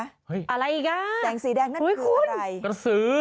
เฮ้ยอะไรอีกอ่ะแสงสีแดงนั่นคืออะไรอุ้ยคุณกระสือ